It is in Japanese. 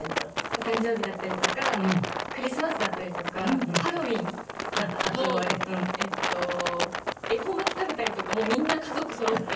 お誕生日だったりとかクリスマスだったりとかハロウィーンもえっと恵方巻き食べたりとかもみんな家族そろって。